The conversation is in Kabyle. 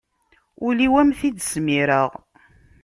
Ul-iw am t-id-smireɣ.